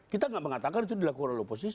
kita tidak mengatakan itu dilakukan oleh oposisi